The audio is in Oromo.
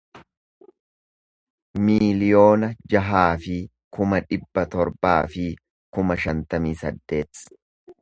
miiliyoona jahaa fi kuma dhibba torbaa fi kuma shantamii saddeet